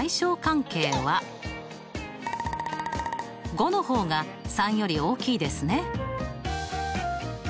５の方が３より大きいですね。